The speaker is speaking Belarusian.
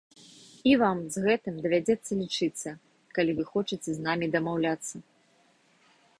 І вам з гэтым давядзецца лічыцца, калі вы хочаце з намі дамаўляцца.